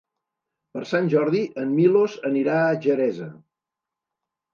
Per Sant Jordi en Milos anirà a Xeresa.